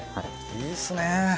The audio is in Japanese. いいですね。